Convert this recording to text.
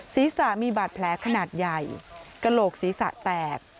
ศีรษะมีบาดแผลขนาดใหญ่กระโหลกศีรษะแตก